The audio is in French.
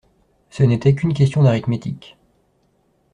Ce n'était qu'une question d'arithmétique.